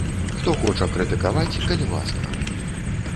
Хто хоча крытыкаваць, калі ласка!